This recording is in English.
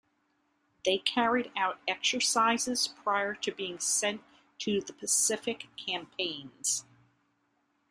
They carried out exercises prior to being sent to the Pacific Campaigns.